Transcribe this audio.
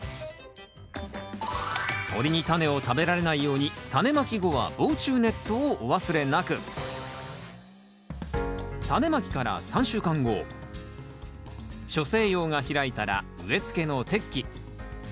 鳥にタネを食べられないようにタネまき後は防虫ネットをお忘れなく初生葉が開いたら植え付けの適期。